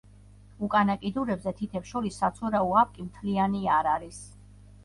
უკანა კიდურებზე თითებს შორის საცურაო აპკი მთლიანი არ არის.